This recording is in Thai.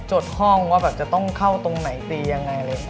จดห้องว่าแบบจะต้องเข้าตรงไหนตียังไงเลย